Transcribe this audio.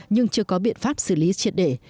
nhưng chưa có biện pháp xử lý triệt để